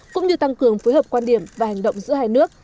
cũng như tăng cường phối hợp quan điểm và hành động giữa hai nước